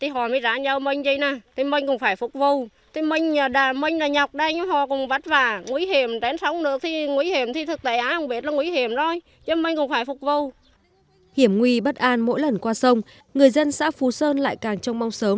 hiểm nguy bất an mỗi lần qua sông người dân xã phú sơn lại càng trông mong sớm